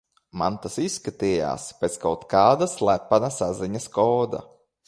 Man tas izskatījās pēc kaut kāda slepenas saziņas koda.